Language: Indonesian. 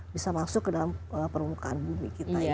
bisa masuk ke dalam permukaan bumi kita ya